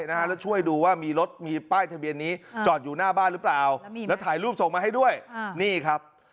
แล้วช่วยดูว่ามีรถมีป้ายทะเบียนนี้จอดอยู่หน้าบ้านหรือเปล่าแล้วถ่ายรูปส่งมาให้ด้วยนี่ครับ